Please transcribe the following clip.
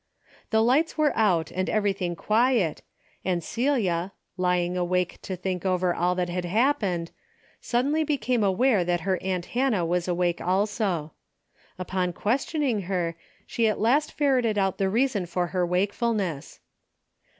The lights were out and everything quiet and Celia, lying awake to think over all that had happened, suddenly became aware that her aunt Hannah was awake also. Upon questioning her she at last ferreted out the reason for her wakefulness.